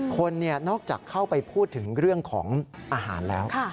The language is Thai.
คนนอกจากเข้าไปพูดถึงเรื่องของอาหารแล้ว